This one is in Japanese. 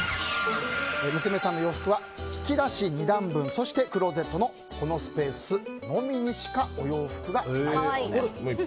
娘さんの洋服は引き出し２段分そしてクローゼットのこのスペースのみにしかお洋服がないそうです。